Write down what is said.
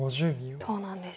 そうなんです。